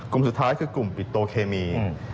กลุ่มสุดท้ายคือกลุ่มปิดโตเคมี